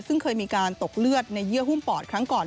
ซึ่งเคยมีการตกเลือดในเยื่อหุ้มปอดครั้งก่อน